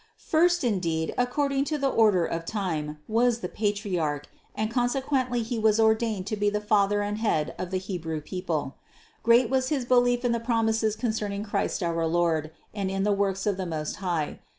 First indeed, according to the order of time, was the Patriarch and consequently he was ordained to be the father and head of the Hebrew people: great was his belief in the promises concerning Christ our Lord, and in the works of the Most High.